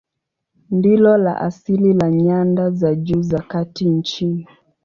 Ndilo la asili la nyanda za juu za kati nchini.